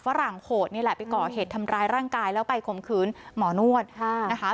ฝรั่งโหดนี่แหละไปก่อเหตุทำร้ายร่างกายแล้วไปข่มขืนหมอนวดนะคะ